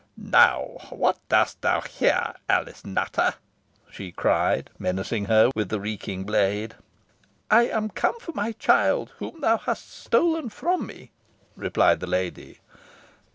"Now what dost thou here, Alice Nutter?" she cried, menacing her with the reeking blade. "I am come for my child, whom thou hast stolen from me," replied the lady.